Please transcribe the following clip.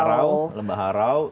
harau lembah harau ngarau